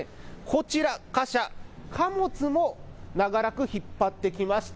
こちら、貨車、貨物も長らく引っ張ってきました。